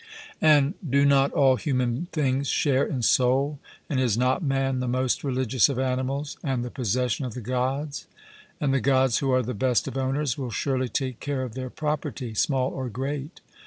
And do not all human things share in soul, and is not man the most religious of animals and the possession of the Gods? And the Gods, who are the best of owners, will surely take care of their property, small or great.